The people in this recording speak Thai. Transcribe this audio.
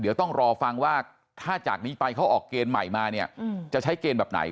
เดี๋ยวต้องรอฟังว่าถ้าจากนี้ไปเขาออกเกณฑ์ใหม่มาเนี่ยจะใช้เกณฑ์แบบไหน